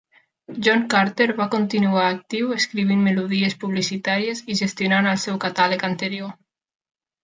John Carter va continuar actiu escrivint melodies publicitàries i gestionant el seu catàleg anterior.